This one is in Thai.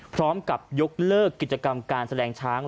พร้อมกับยกเลิกกิจกรรมการแสดงช้าง